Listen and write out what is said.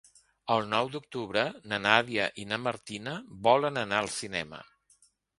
El nou d'octubre na Nàdia i na Martina volen anar al cinema.